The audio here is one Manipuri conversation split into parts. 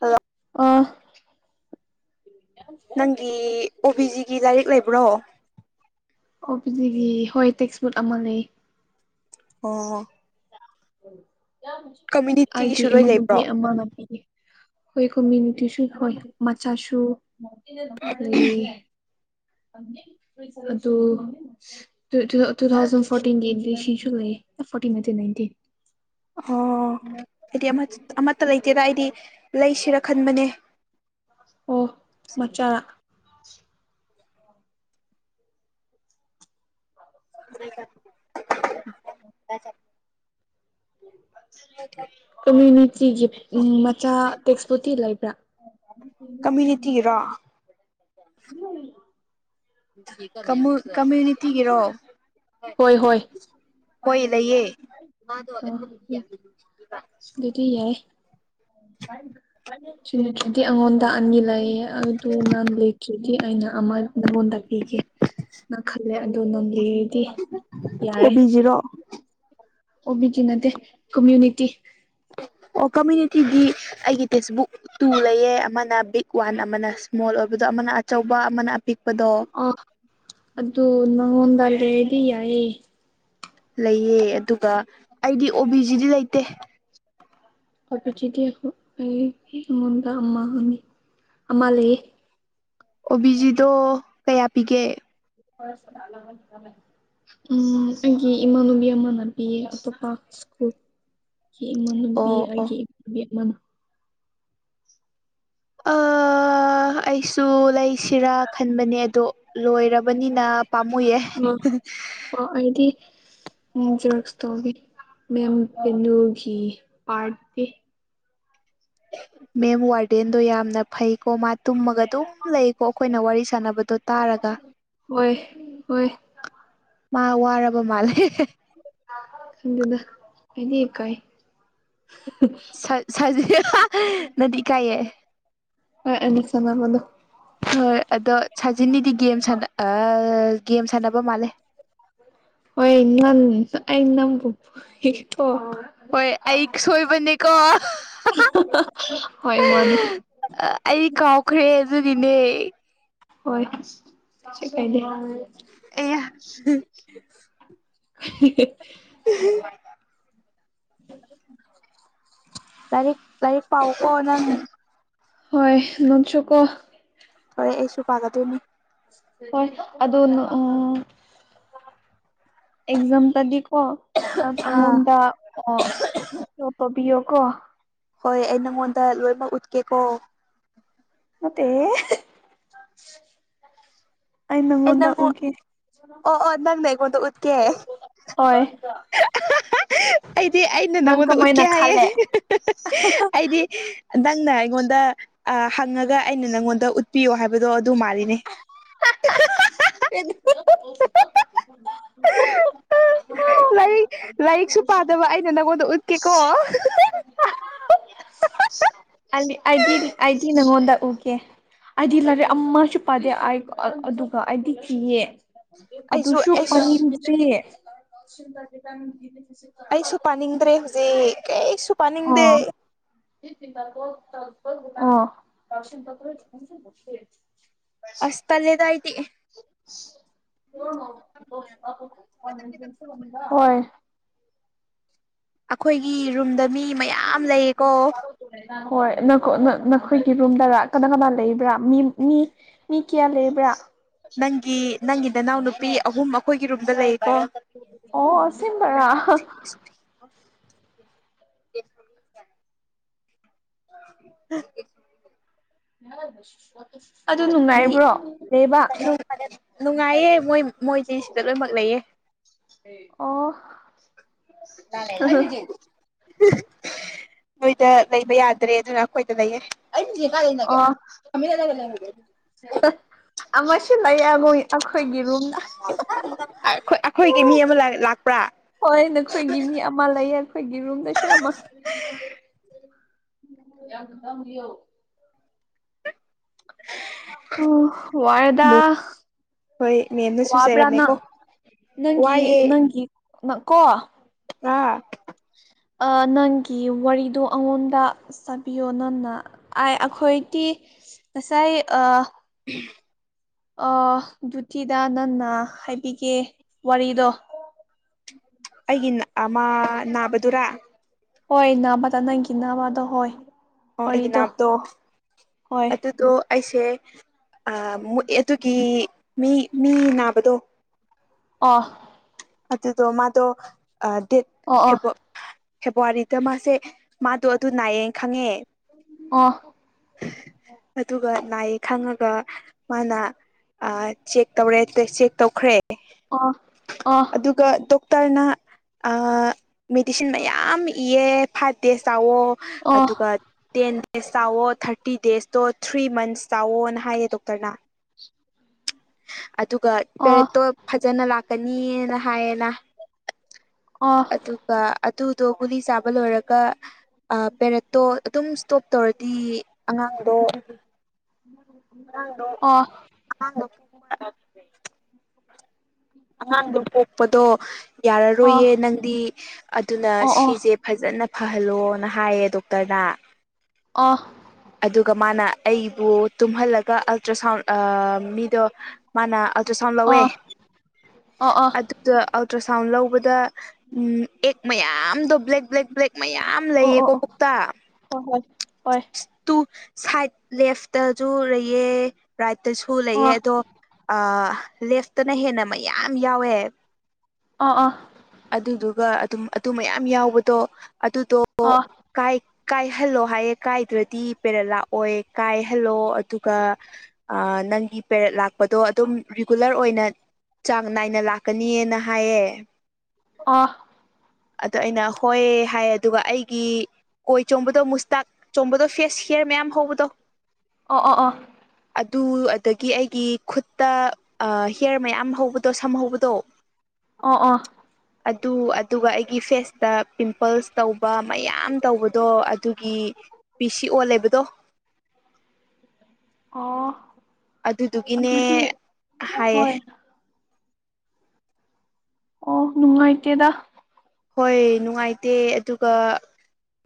ꯑ ꯑ ꯅꯪꯒꯤ ꯑꯣ ꯕꯤꯖꯤꯒꯤ ꯂꯥꯏꯔꯤꯛ ꯂꯩꯕ꯭ꯔꯣ ꯑꯣ ꯄꯤꯖꯤꯒꯤ ꯍꯣꯏ ꯇꯦꯛꯁ ꯕꯨꯛ ꯑꯃ ꯂꯩ ꯑꯣ ꯑꯩꯦ ꯀꯝꯃ꯭ꯌꯨꯅꯤꯇꯤꯒꯤꯁꯨ ꯂꯣꯏ ꯏꯃꯥꯅꯕꯤ ꯂꯩꯕ꯭ꯔꯣ ꯑꯃ ꯃꯕꯤ ꯑꯩꯈꯣꯏ ꯀꯣꯃꯌꯨꯅꯤꯇꯤꯁꯨ ꯍꯣꯏ ꯃꯆꯥꯁꯨ ꯑ ꯑꯗꯨ ꯇꯨ ꯊꯥꯎꯖꯟ ꯐꯣꯔꯇꯤꯟꯒꯤ ꯏꯗꯤꯁꯟꯁꯨ ꯂꯩꯌꯦ ꯐꯣꯔꯇꯤꯟ ꯅ ꯏꯟꯇꯤꯟ ꯑꯣ ꯑꯩꯗꯤ ꯑꯃꯠꯇ ꯂꯩꯇꯦꯗ ꯑꯩꯗꯤ ꯂꯩꯁꯤꯔ ꯈꯟꯕꯅꯦ ꯑꯣ ꯃꯆꯥꯔ [inaudible] ꯀꯃ꯭ꯌꯨꯅꯤꯇꯤꯒꯤ ꯎ ꯃꯆꯥ ꯇꯦꯛꯁꯕꯨꯛꯇꯤ ꯂꯩꯕ꯭ꯔꯥ ꯀꯃꯤꯅꯤꯇꯤ ꯔꯥ ꯍ ꯃ ꯀꯃ꯭ꯌꯨꯅꯤꯇꯤꯒꯤꯔꯣ ꯍꯣꯏ ꯍꯣꯏ ꯂꯩꯌꯦ ꯑ ꯑꯗꯨꯗꯤ ꯌꯥꯏ ꯆꯗꯗꯤ ꯑꯩꯉꯣꯟꯗ ꯑꯅꯤ ꯂꯩꯌꯦ ꯑꯗꯨ ꯅꯪ ꯂꯩꯇ꯭ꯔꯗꯤ ꯑꯩꯅ ꯑꯃ ꯅꯪꯉꯣꯟꯗ ꯄꯤꯒꯦꯅ ꯈꯜꯂꯦ ꯑꯗꯨ ꯅꯣꯂꯤꯗꯤ ꯑꯣꯕꯤꯖꯤꯔꯣ ꯑꯣꯕꯤꯒꯤ ꯅꯗꯦ ꯀꯃ꯭ꯨꯅꯤꯇꯤ ꯎ ꯑꯣ ꯀꯝꯃ꯭ꯌꯨꯅꯤꯇꯤꯗꯤ ꯑꯩꯒꯤ ꯇꯦꯛꯁ ꯕꯨꯛ ꯇꯨ ꯂꯩꯌꯦ ꯑꯃꯅ ꯕꯤꯛ ꯋꯥꯟ ꯑꯃꯅ ꯏꯁꯃꯣꯜ ꯑꯣꯏꯕꯗꯣ ꯑꯃꯅ ꯑꯆꯧꯕ ꯑꯃꯅ ꯑꯄꯤꯛꯄꯗꯣ ꯑꯥ ꯑꯗꯨ ꯅꯉꯣꯟꯗ ꯂꯩꯗꯤ ꯌꯥꯏꯌꯦ ꯂꯩꯑꯦ ꯑꯗꯨꯒ ꯑꯩꯗꯤ ꯑꯣ ꯕꯤꯖꯤꯗꯤ ꯂꯩꯇꯦ ꯀ ꯆꯗꯤ ꯑꯩꯨꯟꯗ ꯑꯃꯥ ꯍꯅꯤ ꯑꯃ ꯂꯩꯌꯦ ꯑꯣꯕꯤꯖꯤꯗꯣ ꯀꯌꯥ ꯄꯤꯒꯦ ꯂꯅꯃꯦ ꯎꯝ ꯑꯩꯒꯤ ꯏꯃꯥꯟꯅꯨꯕꯤ ꯑꯃꯅꯕꯤꯌꯦ ꯑꯇꯣꯞꯄ ꯁ꯭ꯀꯨꯜ ꯑꯩꯒꯤ ꯏꯃꯝ ꯅꯨꯄꯤ ꯑꯣ ꯑꯣ ꯑꯩꯒꯤ ꯏꯨ ꯑꯃꯃ ꯑ ꯑꯩꯁꯨ ꯂꯩꯁꯤꯔꯥ ꯈꯟꯕꯅꯦ ꯑꯗꯣ ꯂꯣꯏꯔꯕ ꯕꯅꯤꯅ ꯄꯥꯝꯃꯨꯌꯦꯦ ꯑꯣ ꯑꯩꯗꯤ ꯎꯝ ꯔꯦꯛꯁꯇꯣꯕꯤ ꯃꯦꯝ ꯄꯦꯅꯨꯒꯤ ꯄꯥꯔꯇꯤ ꯃꯦꯝ ꯋꯥꯔꯗꯦꯟꯗꯣ ꯌꯥꯝꯅ ꯐꯩꯀꯣ ꯃꯥ ꯇꯨꯝꯃꯒ ꯑꯗꯨꯝ ꯂꯩꯀꯣ ꯑꯩꯈꯣꯏꯅ ꯋꯥꯔꯤ ꯁꯥꯟꯅꯕꯗꯣ ꯇꯥꯔꯒ ꯑꯣꯏꯣꯏ ꯃꯥ ꯋꯥꯔꯕ ꯃꯥꯜꯂꯦ ꯊꯗ ꯍꯥꯏꯅꯤꯑ ꯀꯥꯏ ꯁ ꯁꯖꯤ ꯅꯗꯤ ꯀꯥꯏꯌꯦ ꯑ ꯑꯦ ꯁꯉꯃ ꯑꯗꯨ ꯍꯣꯏ ꯑꯗꯣ ꯁꯥꯖꯤꯟꯅꯤꯗꯤ ꯒꯦꯝ ꯒꯦꯝ ꯁꯥꯟꯅꯕ ꯃꯥꯜꯂꯦ ꯍ ꯏꯝ ꯑꯩꯅꯝ ꯀ ꯍꯣꯏ ꯑꯩ ꯁꯣꯏꯕꯅꯦꯀꯣ ꯍꯣꯏ ꯃꯥꯅꯦ ꯑꯩ ꯀꯥꯎꯈ꯭ꯔꯦ ꯑꯗꯨꯅꯤꯅꯦ ꯍꯣꯏ ꯀꯥꯏꯗꯤ ꯑꯦ [inaudible] ꯎ ꯇꯔꯤꯛ ꯇꯔꯤꯛ ꯄꯥꯎ ꯀꯣꯅ ꯍꯣꯏ ꯅꯠꯁꯨ ꯀꯣ ꯍꯣꯔꯦ ꯑꯩꯁꯨ ꯄꯥꯒꯗꯣꯏꯅꯦ ꯍꯣꯏ ꯑꯗꯨ ꯑ ꯑꯦꯛꯖꯥꯝꯗꯗꯤꯀꯣ ꯑꯥ ꯑꯩꯉꯣꯟꯗ ꯇꯧꯕꯤꯌꯣ ꯀꯣ ꯍꯣꯏ ꯑꯩ ꯅꯪꯉꯣꯟꯗ ꯂꯣꯏꯅꯃꯛ ꯎꯠꯀꯦꯀꯣ ꯑ ꯑꯩꯅ ꯑꯩ ꯃꯣꯗ ꯅꯪ ꯎꯀꯤꯦ ꯑꯣ ꯑꯣ ꯅꯪ ꯅꯦꯛꯒꯗ ꯎꯠꯀꯦ ꯍꯣꯏ ꯑꯩꯗꯤ ꯑꯩꯅ ꯅꯪ ꯅꯪꯉꯣꯟꯗ ꯀꯃꯥꯏꯅ ꯎꯠꯀꯦ ꯍꯥꯏꯌꯦ ꯈꯜꯂꯦ ꯑꯩꯗꯤ ꯅꯪꯅ ꯑꯩꯉꯣꯟꯗ ꯍꯪꯉꯒ ꯑꯩꯅ ꯅꯪꯉꯣꯟꯗ ꯎꯠꯄꯤꯌꯣ ꯍꯥꯏꯕꯗꯣ ꯑꯗꯨ ꯃꯥꯜꯂꯤꯅꯦ [inaudible] ꯍꯁ ꯃꯗ ꯎꯠꯀꯤꯦꯀꯣ ꯑ ꯑꯩꯗꯤ ꯑꯩꯗꯤ ꯅꯉꯣꯟꯗ ꯎꯒꯦ ꯑꯩꯗꯤ ꯂꯥꯏꯔꯤꯛ ꯑꯃꯁꯁꯨ ꯄꯥꯗꯦ ꯑꯩ ꯑꯗꯨꯒ ꯑꯩꯗꯤ ꯊꯤꯌꯦ ꯑꯩꯁꯨ ꯑꯗꯨꯁꯨ ꯑꯩꯁꯨ ꯄꯪꯅꯤꯡꯗꯦ ꯟ ꯇꯦ ꯑꯩꯁꯨ ꯄꯥꯅꯤꯡꯗ꯭ꯔꯦ ꯍꯧꯖꯤꯛ ꯀꯁꯨ ꯄꯥꯅꯤꯡꯗꯦ ꯔꯁꯟ ꯄ꯭ꯔ ꯑꯁ ꯇꯂꯦꯗꯥꯏꯗꯤ [inaudible] ꯍꯣꯏ ꯑꯩꯈꯣꯏꯒꯤ ꯔꯨꯝꯗ ꯃꯤ ꯃꯌꯥꯝ ꯂꯩꯌꯦꯀꯣ ꯍꯣꯏ ꯅꯈꯣꯏꯒꯤ ꯔꯨꯝꯗꯔ ꯀꯗꯥꯏ ꯀꯗꯥꯏ ꯂꯩꯕ꯭ꯔꯥ ꯃꯤ ꯃꯤ ꯃꯤ ꯀꯌꯥ ꯂꯩꯕ꯭ꯔꯥ ꯅꯪꯒꯤ ꯅꯪꯒꯤ ꯅꯅꯥꯎ ꯅꯨꯄꯤ ꯑꯍꯨꯝ ꯑꯩꯈꯣꯏꯒꯤꯔꯨꯝꯕ ꯂꯩꯀꯣ ꯑꯣ ꯑꯁꯦꯡꯕꯔꯥ [inaudible] [inaudible] ꯑꯗꯨ ꯅꯨꯡꯉꯥꯏꯕ꯭ꯔꯣ ꯗꯦꯕ ꯅꯨꯡꯉꯥꯏꯌꯦ ꯃꯣꯏ ꯃꯣꯏꯗꯤ ꯁꯤꯗ ꯂꯣꯏꯅꯃꯛ ꯂꯩꯌꯦ ꯑꯣ ꯗꯦ ꯅꯣꯏꯗ ꯂꯩꯕ ꯌꯥꯗ꯭ꯔꯦ ꯑꯗꯨꯅ ꯑꯩꯈꯣꯏꯗ ꯂꯩꯌꯦ ꯑꯩ ꯀꯅꯒꯦꯅꯒ ꯑꯣ ꯑꯃꯣꯏ ꯁꯤꯂꯥꯏ ꯌꯥꯝ ꯑꯩꯈꯣꯏꯒꯤ ꯃꯤ ꯑꯃ ꯂꯥꯛꯄ꯭ꯔꯥ ꯍꯣꯏ ꯅꯈꯣꯏꯒꯤ ꯃꯤ ꯑꯃ ꯂꯩꯌꯦ ꯑꯩꯈꯣꯏꯒꯤ ꯔꯨꯝꯗꯁꯨ ꯑꯃ ꯌꯥꯗ ꯎꯣ ꯎ ꯋꯥꯔꯗꯥ ꯍꯣꯏ ꯃꯦꯝꯅꯁꯨ ꯋꯥꯕ꯭ꯔꯥ ꯅꯪ ꯆꯩꯔꯝꯃꯦꯀꯣ ꯅꯪꯒꯤ ꯋꯥꯏꯌꯦ ꯅꯪꯒꯤꯪ ꯀꯣ ꯑꯥ ꯅꯪꯒꯤ ꯋꯥꯔꯤꯗꯣ ꯑꯩꯉꯣꯟꯗ ꯆꯥꯕꯤꯌꯣ ꯅꯪꯅ ꯑꯥꯏ ꯑꯩꯈꯣꯏꯗꯤ ꯀꯁꯥꯏ ꯑ [inaudible] ꯑ ꯗꯌꯇꯤꯗ ꯅꯟꯅ ꯍꯥꯏꯕꯤꯒꯦ ꯋꯥꯔꯤꯗꯣ ꯑꯩꯒꯤ ꯑꯃ ꯅꯥꯕꯗꯨꯔꯥ ꯍꯣꯏ ꯅꯥꯕꯗ ꯅꯪꯒꯤ ꯅꯥꯕꯗꯣ ꯍꯣꯏ ꯑꯣ ꯑꯩꯒꯤ ꯋꯥꯔꯤꯗꯣ ꯅꯥꯞꯇꯣ ꯍꯣꯏ ꯑꯗꯨꯗꯣ ꯑꯩꯁꯦ ꯑ ꯑꯗꯨꯒꯤ ꯃꯤ ꯃꯤ ꯅꯥꯕꯗꯣ ꯑ ꯑꯗꯨꯣ ꯃꯥꯗꯣ ꯑ ꯗꯠ ꯑꯣ ꯍꯦꯄ ꯐꯦꯕꯋꯥꯔꯤꯗ ꯃꯥꯁꯦ ꯃꯥꯗꯣ ꯑꯗꯨ ꯅꯥꯏꯌꯦꯦꯅ ꯈꯪꯉꯦ ꯑ ꯑꯗꯨꯒ ꯅꯥꯏ ꯈꯪꯉꯒ ꯃꯥꯅ ꯆꯦꯛ ꯇꯧꯔꯦ ꯆꯦꯛ ꯇꯧꯈ꯭ꯔꯦ ꯑ ꯑ ꯑꯗꯨꯒ ꯗꯣꯛꯇꯔꯅ ꯃꯦꯗꯤꯁꯤꯟ ꯃꯌꯥꯝ ꯏꯌꯦ ꯐꯥꯠꯇꯦ ꯆꯥꯎꯋꯣ ꯑꯣ ꯑꯗꯨꯒ ꯇꯦꯟ ꯗꯦꯖ ꯇꯥꯋꯣ ꯊꯥꯔꯇꯤ ꯗꯦꯖꯇꯣ ꯊ꯭ꯔꯤ ꯃꯟꯁ ꯆꯥꯎꯋꯣꯅ ꯍꯥꯏꯌꯦ ꯗꯣꯛꯇꯔꯅ ꯑꯗꯨꯒ ꯑꯣ ꯑꯣ ꯄꯦꯔꯦꯠꯇꯣ ꯐꯖꯅ ꯂꯥꯛꯀꯅꯤꯅ ꯍꯥꯏꯌꯦꯅ ꯑꯣ ꯑꯗꯨꯒ ꯑꯗꯨꯗꯣ ꯒꯨꯂꯤ ꯆꯥꯕ ꯂꯣꯏꯔꯒ ꯄꯦꯔꯦꯠꯇꯣ ꯑꯗꯨꯝ ꯏꯁꯇꯣꯞ ꯇꯧꯔꯗꯤ ꯑꯉꯥꯡꯗꯣ ꯑꯣ ꯀꯤ ꯑꯍꯥꯡꯥꯟꯕ ꯄꯣꯛꯄꯗꯣ ꯌꯥꯔꯔꯣꯏꯌꯦ ꯅꯪꯗꯤ ꯑꯗꯨꯅ ꯑꯣ ꯑꯣ ꯑꯣ ꯑꯣ ꯑꯣ ꯑꯣ ꯑꯣ ꯁꯤꯁꯦ ꯐꯖꯅ ꯐꯍꯜꯂꯣꯅ ꯍꯥꯏꯌꯦ ꯗꯣꯛꯇꯔꯅ ꯑꯣꯐ ꯑꯗꯨꯒ ꯃꯥꯅ ꯑꯩꯕꯨ ꯇꯨꯝꯍꯜꯂꯒ ꯑꯜꯇ꯭ꯔ ꯁꯥꯎꯟ ꯃꯤꯗꯣ ꯃꯥꯅ ꯑꯜꯇ꯭ꯔ ꯁꯥꯎꯟ ꯂꯧꯋꯦ ꯑꯣ ꯑꯗꯨꯗ ꯑꯜꯇ꯭ꯔ ꯁꯥꯎꯟ ꯂꯧꯕꯗ ꯑꯦꯛ ꯃꯌꯥꯝꯗꯣ ꯕ꯭ꯂꯦꯛ ꯕ꯭ꯂꯦꯛ ꯕ꯭ꯂꯦꯛ ꯃꯌꯥꯝ ꯂꯩꯌꯦꯀꯣ ꯄꯨꯧꯇꯥ ꯑꯣꯏ ꯠ ꯂꯦ ꯂꯩ ꯇꯁꯨ ꯑꯣ ꯑꯣ ꯑꯣ ꯑꯣ ꯑꯣ ꯑꯣ ꯑꯣ ꯂꯩꯑꯦ ꯑꯗꯣ ꯂꯦꯐꯇꯅ ꯍꯦꯟꯅ ꯃꯌꯥꯝ ꯌꯥꯎꯑꯦ ꯑꯗꯨꯗꯨꯒ ꯑꯗꯨꯝ ꯑꯗꯨ ꯃꯌꯥꯝ ꯌꯥꯎꯕꯗꯣ ꯑꯗꯨꯗꯣ ꯀꯥꯏ ꯀꯥꯏꯍꯜꯂꯣ ꯍꯥꯏꯌꯦ ꯀꯥꯏꯗ꯭ꯔꯗꯤ ꯄꯦꯔꯠ ꯂꯥꯛꯑꯣꯏ ꯀꯥꯏꯍꯜꯂꯣ ꯑꯗꯨꯒ ꯅꯪꯒꯤ ꯄꯦꯔꯠ ꯂꯥꯛꯄ ꯗꯣ ꯑꯗꯨꯝ ꯔꯤꯒꯨꯂꯔ ꯑꯣꯏꯅ ꯆꯥꯡ ꯅꯥꯏꯅ ꯂꯥꯛꯀꯅꯤꯅ ꯍꯥꯏꯌꯦ ꯑ ꯑꯗꯣ ꯑꯩꯅ ꯍꯣꯏ ꯍꯥꯏ ꯑꯗꯨꯒ ꯑꯩꯒꯤ ꯀꯣꯏ ꯆꯣꯡꯕꯗꯣ ꯃꯨꯁꯇꯥꯛ ꯆꯣꯡꯕꯗꯣ ꯐꯦꯁ ꯍꯤꯌꯔ ꯃꯌꯥꯝ ꯍꯧꯕꯗꯣ ꯑꯣ ꯑꯣ ꯑꯣ ꯑꯗꯨ ꯑꯗꯒꯤ ꯑꯩꯒꯤ ꯈꯨꯠꯇ ꯍꯤꯌꯔ ꯃꯌꯥꯝ ꯍꯧꯕꯗꯣ ꯁꯝ ꯍꯧꯕꯗꯣ ꯑ‌ꯣ ꯑꯣ ꯑꯗꯨ ꯑꯗꯨꯒ ꯑꯩꯒꯤ ꯐꯦꯁꯇ ꯄꯤꯝꯄꯜꯁ ꯇꯧꯕ ꯃꯌꯥꯝ ꯇꯧꯕꯗꯣ ꯑꯗꯨꯒꯤ ꯄꯤ ꯁꯤ ꯑꯣ ꯂꯩꯕꯗꯣ ꯑꯣ ꯑꯗꯨꯗꯨꯒꯤꯅꯦ ꯑꯗꯨꯗꯤ ꯍꯥꯏꯌꯦ ꯍꯣꯏ ꯑꯣ ꯅꯨꯡꯉꯥꯏꯇꯦꯗ ꯍꯣꯏ ꯅꯨꯡꯉꯥꯏꯇꯦ ꯑꯗꯨꯒ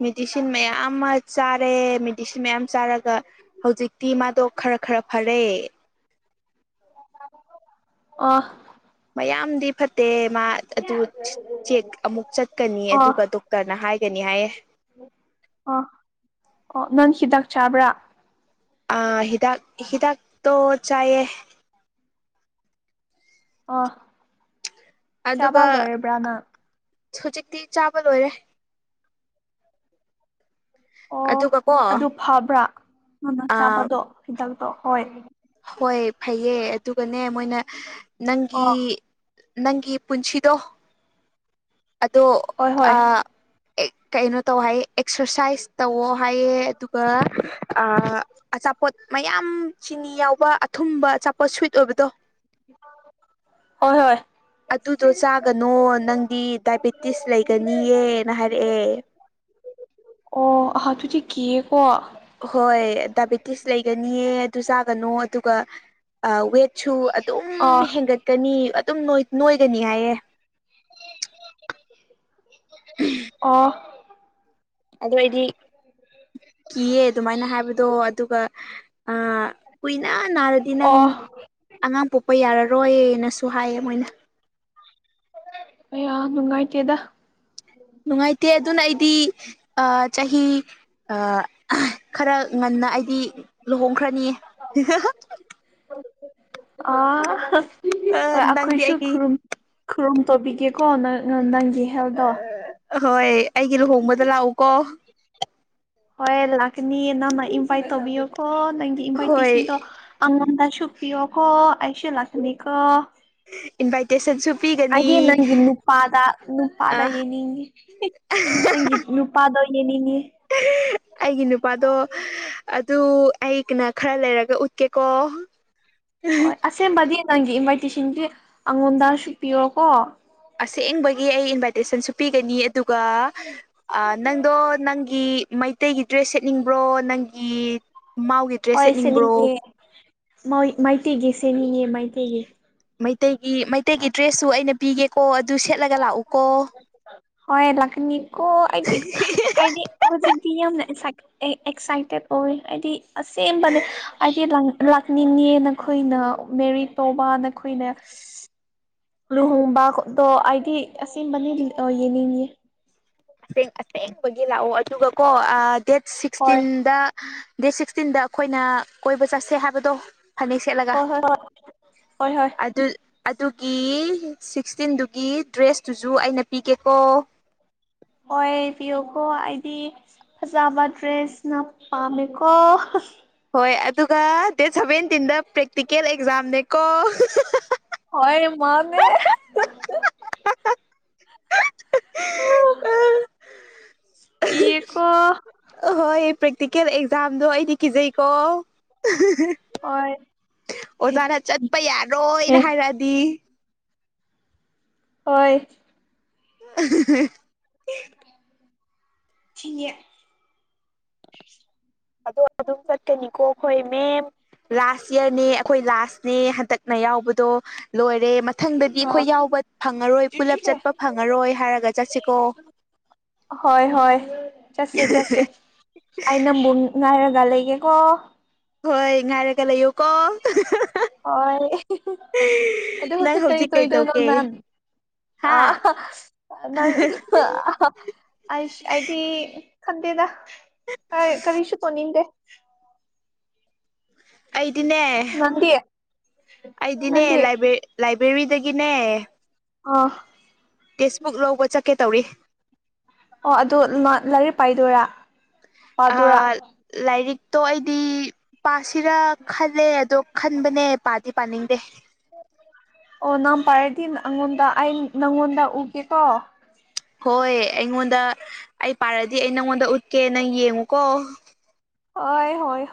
ꯃꯦꯗꯤꯁꯤꯟ ꯃꯌꯥꯝ ꯑꯃ ꯆꯥꯔꯦ ꯃꯦꯗꯤꯁꯤꯟ ꯃꯌꯥꯝ ꯆꯥꯔ ꯑꯗꯨꯒ ꯍꯧꯖꯤꯛꯇꯤ ꯃꯥꯗꯣ ꯈꯔ ꯈꯔ ꯐꯔꯦ ꯑꯣ ꯃꯌꯥꯝꯗꯤ ꯐꯠꯇꯦ ꯃꯥ ꯑꯗꯨ ꯆꯦꯛ ꯑꯃꯨꯛ ꯆꯠꯀꯅꯤ ꯑꯗꯨꯒ ꯗꯣꯛꯇꯔꯅ ꯍꯥꯏꯒꯅꯤ ꯍꯥꯏꯌꯦ ꯑ ꯑꯣ ꯅꯪ ꯍꯤꯗꯥꯛ ꯆꯥꯕ꯭ꯔꯥ ꯑ ꯍꯤꯗꯥꯛ ꯍꯤꯗꯥꯛ ꯇꯣ ꯆꯥꯏꯑꯌꯦ ꯑꯣ ꯆꯥꯕ ꯂꯣꯏꯔꯕ꯭ꯔꯥꯅ ꯑ ꯍꯧꯖꯤꯛꯇꯤ ꯆꯥꯕ ꯂꯣꯏꯔꯦ ꯑꯣ ꯑꯗꯨꯒ ꯀꯣ ꯑꯗꯨ ꯐꯕ꯭ꯔꯥ ꯅ‌ꯪꯅ ꯆꯥꯕꯗꯣ ꯍꯤꯗꯛꯇꯣ ꯍꯣꯏ ꯍꯣꯏ ꯐꯩꯌꯦ ꯑꯗꯨꯒꯅꯦ ꯃꯣꯏꯅ ꯅꯪꯒꯤ ꯑꯣ ꯅꯪꯒꯤ ꯄꯨꯟꯁꯤꯗꯣ ꯑꯗꯣ ꯍꯣꯏ ꯍꯣꯏ ꯑ ꯀꯩꯅꯣ ꯇꯧ ꯍꯥꯏꯌꯦ ꯑꯦꯛꯁꯔꯁꯥꯏꯁ ꯇꯧꯋ ꯍꯥꯏꯌꯦ ꯑꯗꯨꯒ ꯑ ꯑꯆꯥ ꯑꯆꯥꯄꯣꯠ ꯃꯌꯥꯝ ꯆꯤꯅꯤ ꯌꯥꯎꯕ ꯑꯊꯨꯝꯕ ꯑꯆꯥꯄꯣꯠ ꯁ꯭ꯋꯤꯠ ꯑꯣꯏꯕꯗꯣ ꯍꯣꯏ ꯍꯣꯏ ꯑꯗꯨꯗꯣ ꯆꯥꯒꯅꯣ ꯅꯪꯗꯤ ꯗꯥꯏꯕꯦꯇꯤꯁ ꯂꯩꯒꯅꯤꯌꯦꯅ ꯍꯥꯏꯔꯛꯑꯦ ꯑꯣ ꯑꯍ ꯑꯗꯨꯗꯤ ꯀꯤꯌꯦꯀꯣ ꯍꯣꯏ ꯗꯥꯏꯕꯦꯇꯤꯁ ꯂꯩꯒꯅꯤꯌꯦ ꯑꯗꯨ ꯆꯥꯒꯅꯣ ꯑꯗꯨꯒ ꯑ ꯋꯦꯠ ꯁꯨ ꯑꯗꯨꯝ ꯑꯥ ꯍꯦꯟꯒꯠꯀꯅꯤ ꯑꯗꯨꯝ ꯅ‌ꯣꯏ ꯅꯣꯏꯒꯅꯤ ꯍꯥꯏꯑꯦ ꯑꯣ ꯑꯗꯨ ꯑꯩꯗꯤ ꯀꯤꯌꯦ ꯑꯗꯨꯃꯥꯏꯅ ꯍꯥꯏꯕꯗꯣ ꯑꯗꯨꯒ ꯑ ꯀꯨꯏꯅ ꯅꯥꯔꯗꯤ ꯅꯪ ꯑꯣ ꯑꯉꯥꯡ ꯄꯣꯛ ꯄ ꯌꯥꯔꯔꯣꯏꯅꯁꯨ ꯍꯥꯏꯌꯦ ꯃꯣꯏꯅ ꯑꯌꯥ ꯅꯨꯡꯉꯥꯏꯇꯦꯗ ꯅꯨꯡꯉꯥꯏꯇꯦ ꯑꯗꯨꯅ ꯑꯩꯗꯤ ꯑ ꯆꯍꯤ ꯑ ꯈꯔ ꯉꯟꯅ ꯑꯩꯗꯤ ꯂꯨꯍꯣꯡꯈ꯭ꯔꯅꯤꯌꯦ ꯍꯤꯍꯥꯍꯥ ꯑꯥ ꯍ ꯅꯪꯗꯤ ꯑꯩꯈꯣꯏꯁꯨ ꯑꯩꯒꯤ ꯈꯨꯔꯨꯝ ꯈꯨꯔꯨꯝ ꯇꯧꯕꯤꯒꯦꯀꯣ ꯅꯪ ꯅꯪ ꯅꯪ ꯍꯣꯏ ꯑꯩꯒꯤ ꯂꯨꯍꯣꯡꯕꯗ ꯂꯥꯛꯎꯀꯣ ꯍꯣꯏ ꯂꯥꯛꯀꯅꯤꯌꯦ ꯅꯪꯅ ꯏꯟꯚꯥꯏꯠ ꯇꯧꯕꯤꯌꯨꯀꯣ ꯅꯪꯒꯤ ꯍꯣꯏ ꯏꯟꯚꯥꯏꯇꯦꯁꯟꯗꯣ ꯑꯉꯝꯗ ꯆꯨꯄꯤꯌꯣꯈꯣ ꯑꯩꯁꯨ ꯂꯥꯛꯀꯅꯤꯀꯣ ꯏꯟꯚꯥꯏꯇꯦꯁꯟꯁꯨ ꯑꯩꯗꯤ ꯄꯤꯒꯅꯤ ꯅꯪꯒꯤ ꯅꯨꯄꯥꯗ ꯅꯨꯄꯥꯗ ꯌꯦꯅꯤꯡꯉꯤ ꯍꯤ ꯅꯪꯒꯤ ꯅꯨꯄꯥꯗꯣ ꯌꯦꯡꯅꯤꯡꯉꯦ ꯑꯩꯒꯤ ꯅꯨꯄꯥꯗꯣ ꯑꯠ ꯑꯗꯨ ꯑꯩꯒꯅ ꯈꯔ ꯂꯩꯔꯒ ꯎꯠꯀꯦꯀꯣ ꯍꯣꯏ ꯑꯁꯦꯡꯕꯗꯤ ꯅꯪꯒꯤ ꯏꯟꯚꯥꯏꯇꯦꯁꯟꯗꯤ ꯑꯉꯣꯟꯗꯁꯨ ꯄꯤꯌꯣꯀꯣ ꯑꯁꯦꯡꯕꯒꯤ ꯑꯩ ꯏꯟꯚꯥꯏꯇꯦꯁꯟꯁꯨ ꯄꯤꯒꯅꯤ ꯑꯗꯨꯒ ꯑ ꯅꯪꯗꯣ ꯅꯪꯒꯤ ꯃꯩꯇꯩꯒꯤ ꯗ꯭ꯔꯦꯁ ꯁꯦꯠꯅꯤꯡꯕ꯭ꯔꯣ ꯅꯪꯒꯤ ꯃꯥꯎꯒꯤ ꯗ꯭ꯔꯦꯁ ꯁꯦꯠꯅꯤꯡꯕ꯭ꯔꯣ ꯃꯣꯏ ꯃꯩꯇꯩꯒꯤ ꯁꯦꯅꯤꯡꯉꯦ ꯃꯩꯇꯩꯒꯤ ꯃꯩꯇꯩꯒꯤ ꯃꯩꯇꯩꯒꯤ ꯗ꯭ꯔꯦꯁꯁꯨ ꯑꯩꯅ ꯄꯤꯒꯦꯀꯣ ꯑꯗꯨ ꯁꯦꯠꯂꯒ ꯂꯥꯛꯎꯀꯣ ꯍꯣꯏ ꯂꯥꯛꯀꯅꯤꯀꯣ ꯑꯩꯗꯤ ꯑꯩꯗꯤ ꯍꯧꯖꯤꯛꯇꯤ ꯌꯥꯝꯅ ꯑꯛꯁꯥꯏꯠ ꯑꯩ ꯑꯦꯛꯁꯥꯏꯇꯦꯠ ꯑꯣꯏ ꯍꯥꯏꯗꯤ ꯑꯁꯦꯡꯕꯅꯦ ꯍꯥꯏꯗꯤ ꯂꯥꯛ ꯂꯥꯛꯅꯤꯡꯉꯦ ꯅꯈꯣꯏꯅ ꯃꯦꯔꯤ ꯇꯣꯕꯥ ꯅꯈꯣꯏꯅꯦ ꯂꯨꯍꯣꯡꯕꯗꯣ ꯑꯩꯗꯤ ꯑꯁꯦꯡꯕꯅꯤ ꯑꯣ ꯌꯦꯡꯅꯤꯡꯉꯦ ꯑꯁꯦꯡ ꯑꯁꯦꯡꯕꯒꯤ ꯂꯥꯛꯑꯣ ꯑꯗꯨꯒꯀꯣ ꯗꯦꯠ ꯍꯣꯏ ꯁꯤꯛꯁꯇꯤꯟꯗ ꯗꯦꯠ ꯁꯤꯛꯁꯇꯤꯟꯗ ꯑꯩꯈꯣꯏꯅ ꯀꯣꯏꯕ ꯆꯠꯁꯦ ꯍꯥꯏꯕꯗꯣ ꯐꯅꯦꯛ ꯁꯦꯠꯂꯒ ꯍꯣꯏ ꯍꯣꯏ ꯍꯣꯏ ꯍꯣꯏ ꯍꯣꯏ ꯑꯗꯨ ꯑꯗꯨꯒꯤ ꯁꯤꯛꯁꯇꯤꯟꯗꯨꯒꯤ ꯗ꯭ꯔꯦꯁꯇꯨꯖꯨ ꯑꯩꯅ ꯄꯤꯒꯦꯀꯣ ꯍꯣꯏ ꯄꯤꯌꯣꯀꯣ ꯑꯩꯗꯤ ꯐꯖꯕ ꯗ꯭ꯔꯦꯁꯅ ꯄꯥꯝꯃꯦꯀꯣ ꯍꯣꯏ ꯑꯗꯨꯒ ꯗꯦꯠ ꯁꯚꯦꯟꯇꯤꯟꯗ ꯄ꯭ꯔꯦꯛꯇꯤꯀꯦꯜ ꯑꯦꯛ ꯖꯝꯅꯦꯀꯣ ꯍꯣꯏ ꯃꯥꯅꯦ [unintelligible] ꯀꯤꯌꯦꯀꯣ ꯑꯍꯣꯏ ꯄ꯭ꯔꯦꯛꯇꯤꯀꯦꯜ ꯑꯦꯛꯖꯥꯝꯗꯣ ꯑꯩꯗꯤ ꯀꯤꯖꯩꯀꯣ ꯍꯣꯏ ꯑꯣꯖꯥꯅ ꯆꯠꯄ ꯑꯦ ꯌꯥꯔꯣꯏꯅ ꯍꯥꯏꯔꯛꯑꯗꯤ ꯍꯣꯏ [inaudible] [unintelligible] ꯑꯗꯣ ꯑꯗꯨꯝ ꯆꯠꯀꯅꯤꯀꯣ ꯑꯩꯈꯣꯏ ꯃꯦꯝ ꯂꯥꯁ ꯏꯌꯥꯔꯅꯦ ꯑꯩꯈꯣꯏ ꯂꯥꯁꯅꯦ ꯍꯟꯗꯛꯅ ꯌꯥꯎꯕꯗꯣ ꯂꯣꯏꯔꯦ ꯃꯊꯪꯗꯗꯤ ꯑꯩꯈꯣꯏ ꯌꯥꯎꯕ ꯐꯪꯉꯔꯣꯏ ꯄꯨꯂꯞ ꯑ ꯆꯠꯄ ꯐꯪꯉꯔꯣꯏ ꯍꯥꯏꯔꯒ ꯆꯠꯁꯤꯀꯣ ꯍꯣꯏ ꯍꯣꯏ ꯆꯠꯁꯦ ꯆꯠꯁꯦ ꯑꯩ ꯅꯪꯕꯨ ꯉꯥꯏꯔ ꯂꯩꯒꯦ ꯀꯣ ꯍꯣꯏ ꯉꯥꯏꯔꯒ ꯂꯩꯌꯣꯀꯣ [unintelligible] ꯑ ꯅꯪ ꯍꯧꯖꯤꯛ ꯀꯩꯗꯧꯒꯦ ꯍꯥ ꯅ ꯑ ꯑꯩꯗꯤ ꯈꯟꯗꯦꯗ ꯀꯔꯤꯁꯨ ꯇꯧꯅꯤꯡꯗꯦ ꯑꯩꯗꯤꯅꯦ ꯅꯪꯗꯤ ꯑꯩꯗꯤꯅꯦ ꯅꯪꯗꯤ ꯂꯥꯏꯕꯦꯔꯤꯥꯏ ꯕꯔꯗꯒꯅꯦ ꯑ ꯇꯦꯛꯁꯕꯨꯛ ꯂꯧꯕ ꯆꯠꯀꯦ ꯇꯧꯔꯤ ꯑꯣ ꯑꯗꯨ ꯂꯥꯏꯔꯤꯛ ꯄꯥꯏꯗꯣꯏꯔꯥ ꯄꯥꯗꯣꯏꯔꯥ ꯂꯥꯏꯔꯤꯛꯇꯣ ꯑꯩꯗꯤ ꯄꯥꯁ ꯁꯤꯔ ꯈꯜꯂꯦ ꯑꯗꯣ ꯈꯟꯕꯅꯦ ꯄꯥꯗꯤ ꯄꯥꯅꯤꯡꯗꯦ ꯑꯣ ꯅꯪ ꯄꯥꯔꯗꯤ ꯑꯩꯉꯣꯟꯗ ꯑꯩ ꯅꯪꯉꯣꯟꯗ ꯎꯒꯦꯀꯣ ꯍꯣꯏ ꯑꯩꯉꯣꯟꯗ ꯑꯩ ꯄꯥꯔꯗꯤ ꯑꯩ ꯅꯪꯉꯣꯟꯗ ꯎꯠꯀꯦ ꯅꯪ ꯌꯦꯡꯉꯨꯀꯣ ꯍ ꯍꯣꯏ